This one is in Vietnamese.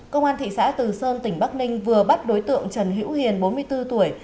công an thị xã từ sơn tỉnh bắc ninh vừa bắt đối tượng trần hữu hiền bốn mươi bốn tuổi